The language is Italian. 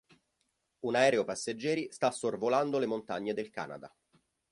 Un aereo passeggeri sta sorvolando le montagne del Canada.